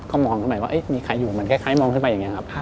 ก็มองขึ้นไปว่ามีใครอยู่เหมือนคล้ายมองขึ้นไปอย่างนี้ครับ